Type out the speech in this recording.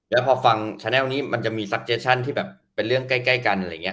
แล้วพอฟังแชนแลลนี้มันจะมีซักเจชั่นที่แบบเป็นเรื่องใกล้กันอะไรอย่างนี้